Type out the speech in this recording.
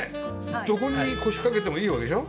どこに腰掛けてもいいわけでしょ？